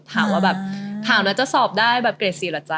ถามว่าแบบถามแล้วจะสอบได้แบบเกรดสีเหรอจ๊